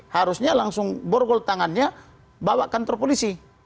harusnya langsung borgol tangannya bawa kantor polisi